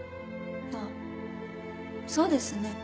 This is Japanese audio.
あっそうですね。